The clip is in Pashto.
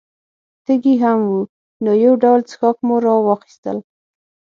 تږي هم وو، نو یو ډول څښاک مو را واخیستل.